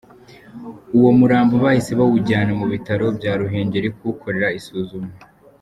Uwo murambo bahise bawujyana mu bitaro bya Ruhengeri kuwukorera isuzuma.